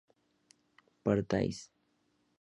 partáis